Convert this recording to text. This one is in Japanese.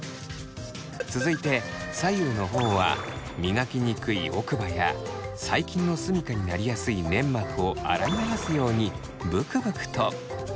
続いて左右のほおは磨きにくい奥歯や細菌のすみかになりやすい粘膜を洗い流すようにブクブクと。